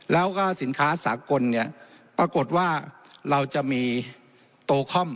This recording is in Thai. แล้วก็สินค้าสากลเนี่ยปรากฏว่าเราจะมีโตคอม